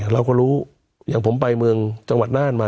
เราก็รู้อย่างผมไปเมืองจังหวัดน่านมา